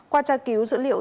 qua tra cứu dữ liệu